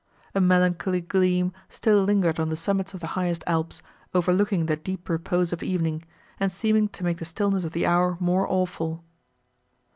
A melancholy gleam still lingered on the summits of the highest Alps, overlooking the deep repose of evening, and seeming to make the stillness of the hour more awful.